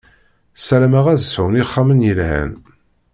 Sarameɣ ad sɛun ixxamen yelhan.